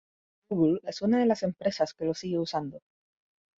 Google es una de las empresas que lo sigue usando.